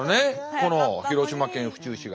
この広島県府中市が。